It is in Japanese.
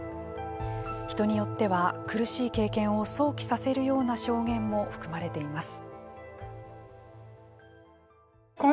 人によっては苦しい経験を想起させるような証言も含まれています。